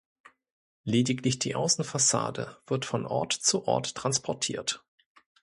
Lediglich die Außenfassade wird von Ort zu Ort transportiert.